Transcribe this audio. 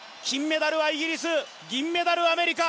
金メダルはイギリス、銀メダルはアメリカ。